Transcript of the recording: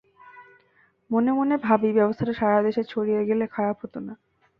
মনে মনে ভাবি ব্যবস্থাটা সারা দেশে ছড়িয়ে গেলে খারাপ হতো না।